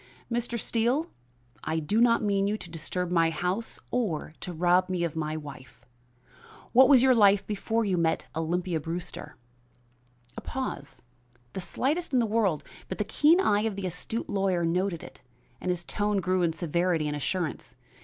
"Mr. Steele, I do not mean you to disturb my house or to rob me of my wife. What was your life before you met Olympia Brewster?" A pause, the slightest in the world, but the keen eye of the astute lawyer noted it, and his tone grew in severity and assurance.